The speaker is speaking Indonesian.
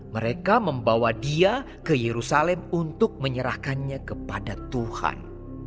mereka membawa dia ke yerusalem untuk menyerahkannya kepada tuhan